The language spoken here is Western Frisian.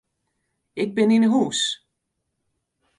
Ik bin yn 'e hûs.